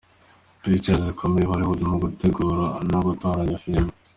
Pictures ikomeye i Hollywood mu gutegura no gutunganya filime.